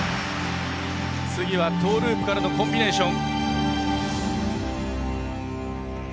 次はトーループからのコンビネーション。